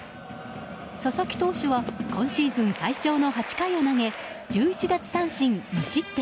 佐々木投手は今シーズン最長の８回を投げ１１奪三振無失点。